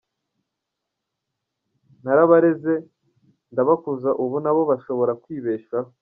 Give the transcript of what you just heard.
Narabareze ndabakuza ubu nabo bashobora kwibeshaho”.